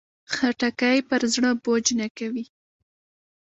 خټکی پر زړه بوج نه کوي.